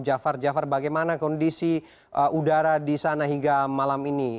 jafar jafar bagaimana kondisi udara di sana hingga malam ini